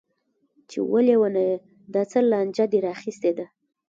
چې وه ليونيه دا څه لانجه دې راخيستې ده.